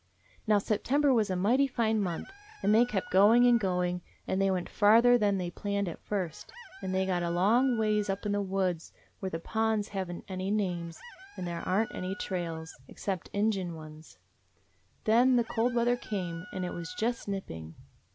"Now September was a mighty fine month, and they kept going and going, and they went farther than they planned at first, and they got a long ways up in the woods, where the ponds have n't any names, and there are n't any trails, except Indian ones. Then the cold weather came, and it was just nipping.